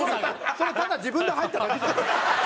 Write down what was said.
それただ自分で入っただけじゃない？